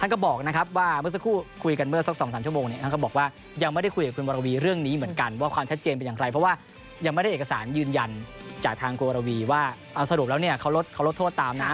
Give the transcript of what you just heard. ก็ยังไม่ได้เอกสารยืนยันจากทางครูอารวีว่าเอาสะดวกแล้วเนี่ยเขารดโทษตามนะ